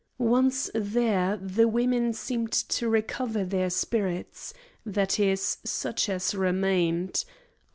Once there the women seemed to recover their spirits; that is, such as remained.